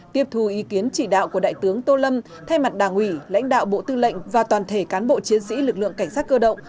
tiếp thù ý kiến chỉ đạo của đại tướng tô lâm thay mặt đảng ủy lãnh đạo bộ tư lệnh và toàn thể cán bộ chiến sĩ lực lượng cảnh sát cơ động